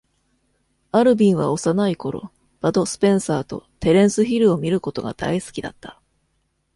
アルヴィンは幼い頃、バド・スペンサーとテレンス・ヒルを見ることが大好きだった。